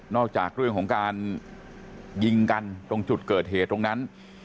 จากเรื่องของการยิงกันตรงจุดเกิดเหตุตรงนั้น